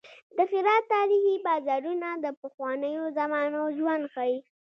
د هرات تاریخي بازارونه د پخوانیو زمانو ژوند ښيي.